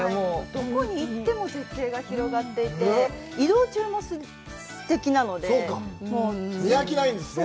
どこに行っても絶景が広がっていて、移動中もすてきなので、見飽きないんですね？